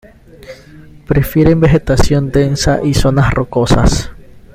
Prefieren vegetación densa y zonas rocosas.